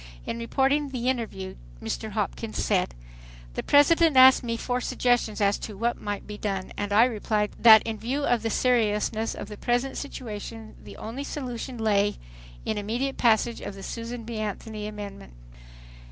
In reporting the interview, Mr. Hopkins said: "The President asked me for suggestions as to what might be done, and I replied that in view of the seriousness of the present situation the only solution lay in immediate passage of the Susan B. Anthony amendment."